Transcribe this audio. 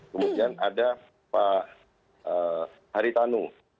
kemudian ada pak haritanu